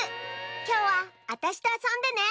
きょうはあたしとあそんでね！